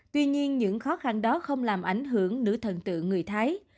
tuy nhiên những khó khăn đó không làm ảnh hưởng nữ thần tượng người thái